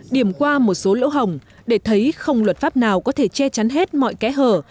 điểm qua một số lỗ hồng để thấy không luật pháp nào có thể che chắn hết mọi kẻ hờ